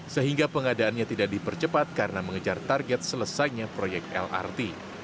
sehingga pengadaannya tidak dipercepat karena mengejar target selesainya proyek lrt